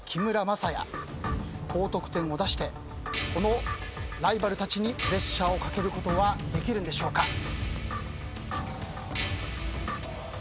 高得点を出してこのライバルたちにプレッシャーをかけることはできるんでしょうか。